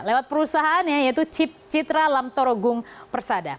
lewat perusahaannya yaitu citra lamtorogung persada